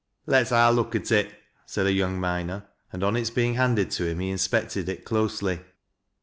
" Let's ha' a look at it," said a young miner, and on its being handed to him he inspected it closely.